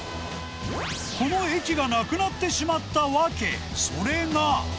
この駅がなくなってしまった訳、それが。